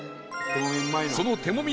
その手もみ